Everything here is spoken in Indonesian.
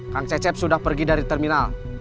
kang cecep sudah pergi dari terminal